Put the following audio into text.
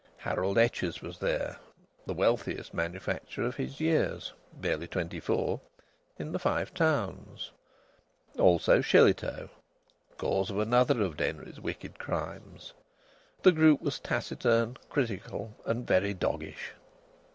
Harold Etches was there, the wealthiest manufacturer of his years (barely twenty four) in the Five Towns. Also Shillitoe, cause of another of Denry's wicked crimes. The group was taciturn, critical, and very doggish.